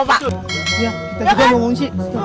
iya kita juga mau ngungsi